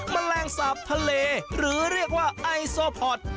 แมลงสาปทะเลหรือเรียกว่าไอโซพอร์ต